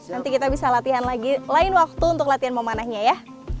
nanti kita bisa latihan lagi lain waktu untuk latihan memanahnya ya